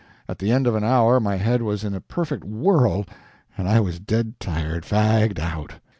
At the end of an hour my head was in a perfect whirl and I was dead tired, fagged out.